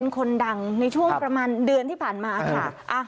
คนดังในช่วงประมาณเดือนที่ผ่านมาค่ะ